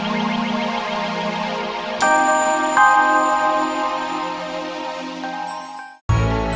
mungkin dia ke mobil